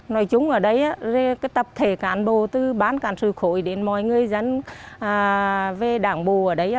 nói chung ở đây tập thể cán bộ từ bán cán sửa khối đến mọi người dân về đảng bộ ở đây